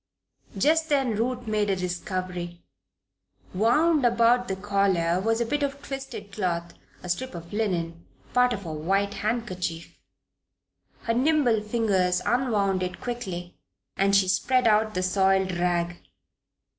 Just then Ruth made a discovery. Wound about the collar was a bit of twisted cloth a strip of linen part of a white handkerchief. Her nimble fingers unwound it quickly and she spread out the soiled rag.